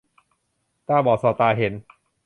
ตาบอดสอดตาเห็น